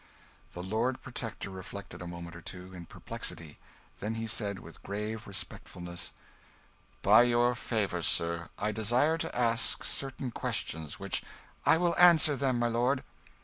The Lord Protector reflected a moment or two in perplexity, then he said, with grave respectfulness "By your favour, sir, I desire to ask certain questions which " "I will answer them, my lord."